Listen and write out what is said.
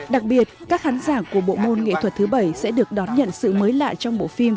đặc biệt các khán giả của bộ môn nghệ thuật thứ bảy sẽ được đón nhận sự mới lạ trong bộ phim